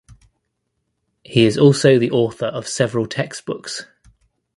He is also the author of several textbooks.